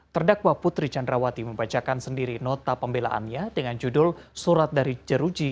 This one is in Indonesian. terdakwa putri candrawati membacakan sendiri nota pembelaannya dengan judul surat dari jeruji